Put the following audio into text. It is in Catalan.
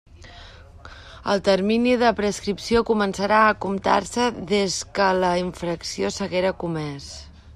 El termini de prescripció començarà a comptar-se des que la infracció s'haguera comés.